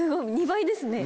２倍ですね。